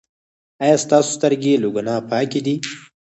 ایا ستاسو سترګې له ګناه پاکې دي؟